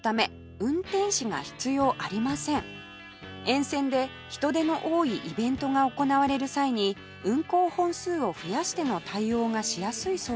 沿線で人出の多いイベントが行われる際に運行本数を増やしての対応がしやすいそうです